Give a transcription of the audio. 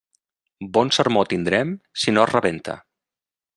Bon sermó tindrem si no es rebenta.